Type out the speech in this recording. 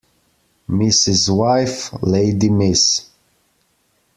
Mrs. wife lady Miss